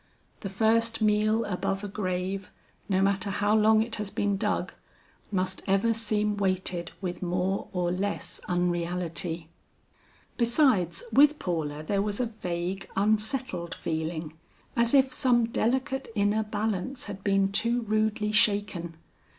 The first meal above a grave, no matter how long it has been dug, must ever seem weighted with more or less unreality. Besides, with Paula there was a vague unsettled feeling, as if some delicate inner balance had been too rudely shaken.